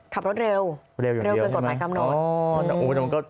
ขับรถเร็วเกินกฎหมายกำหนด